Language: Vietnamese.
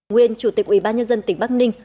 nguyên chủ tịch ủy ban nhân dân tỉnh bắc ninh